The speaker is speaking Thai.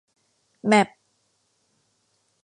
แมป